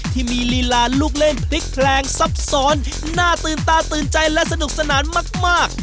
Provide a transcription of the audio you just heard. ลีลาลูกเล่นพลิกแคลงซับซ้อนน่าตื่นตาตื่นใจและสนุกสนานมาก